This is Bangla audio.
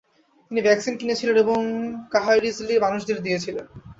তিনি ভ্যাকসিন কিনেছিলেন এবং কাহরিজলির মানুষদের দিয়েছিলেন।